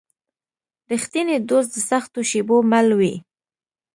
رښتینی دوست د سختو شېبو مل وي.